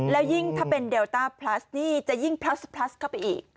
แล้วยิ่งถ้าเป็นเดลต้าพลัสนี่จะยิ่งพลัสพลัสเข้าไปอีก